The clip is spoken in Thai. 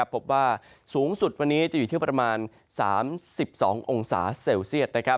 พบว่าสูงสุดวันนี้จะอยู่ที่ประมาณ๓๒องศาเซลเซียต